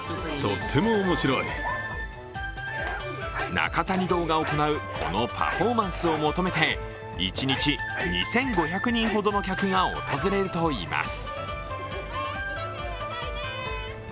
中谷堂が行うこのパフォーマンスを求めて一日２５００人ほどの客が訪れるといいます。